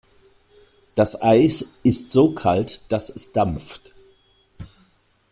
Das Eis ist so kalt, dass es dampft.